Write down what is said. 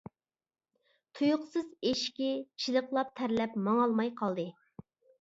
تۇيۇقسىز ئېشىكى چىلىقلاپ تەرلەپ ماڭالماي قالدى.